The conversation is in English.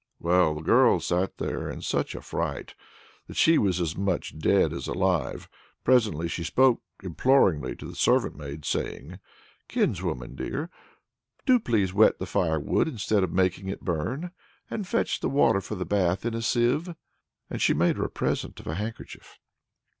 Well, the girl sat there in such a fright that she was as much dead as alive. Presently she spoke imploringly to the servant maid, saying: "Kinswoman dear, do please wet the firewood instead of making it burn; and fetch the water for the bath in a sieve." And she made her a present of a handkerchief.